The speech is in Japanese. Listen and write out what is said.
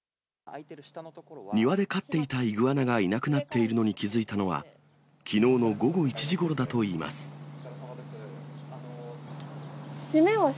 庭で飼っていたイグアナがいなくなっていることに気付いたのは、きのうの午後１時ごろだといいます。